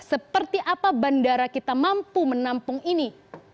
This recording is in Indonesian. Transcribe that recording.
seperti apa bandara kita mampu menampung ini